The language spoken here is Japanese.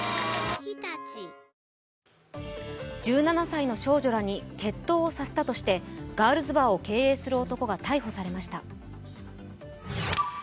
１７歳の少女らに決闘をさせたとしてガールズバーを経営する男が逮捕されました。